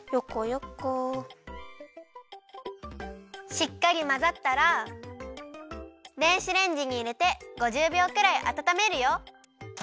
しっかりまざったら電子レンジにいれて５０びょうくらいあたためるよ。